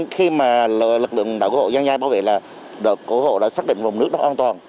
khi mà lực lượng đội cứu hộ dăng dây bảo vệ là đội cứu hộ đã xác định vùng nước đó an toàn